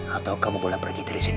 atau kamu boleh pergi dari sini